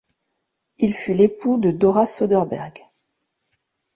Il fut l'époux de Dora Söderberg.